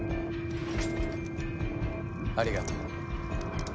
ありがとう。